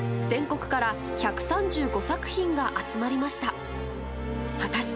全国から１３５作品が集まりました。